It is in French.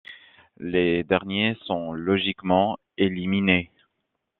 Les derniers sont logiquement éliminés.